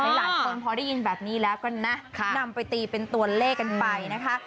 หลายคนพอได้ยินแบบนี้แล้วก็นะนำไปตีเป็นตัวเลขกันไปนะคะ